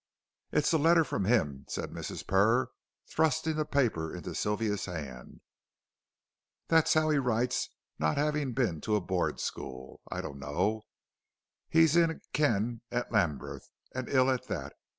"It's a letter from 'im," said Mrs. Purr, thrusting the paper into Sylvia's hand; "tho' 'ow he writes, not 'avin' bin to a board school, I dunno. He's in a ken at Lambith, and ill at that.